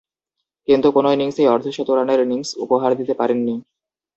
কিন্তু কোন ইনিংসেই অর্ধ-শতরানের ইনিংস উপহার দিতে পারেননি।